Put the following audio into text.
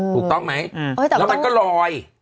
ถูกต้องไหมแล้วมันก็ลอย